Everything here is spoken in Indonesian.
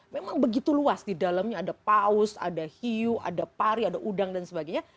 memang begitu luas di dalamnya ada paus ada hiu ada pari ada udang dan sebagainya